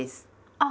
あっ！